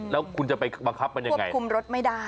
แล้วคุณจะไปบังคับมันยังไงคุมรถไม่ได้